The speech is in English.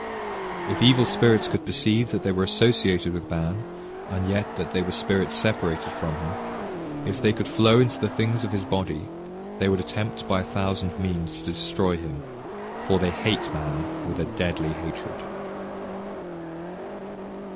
"If evil spirits could perceive that they were associated with man, and yet that they were spirits separate from him, and if they could flow in into the things of his body, they would attempt by a thousand means to destroy him; for they hate man with a deadly hatred."...